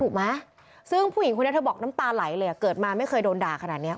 ถูกไหมซึ่งผู้หญิงคนนี้เธอบอกน้ำตาไหลเลยอ่ะเกิดมาไม่เคยโดนด่าขนาดเนี้ย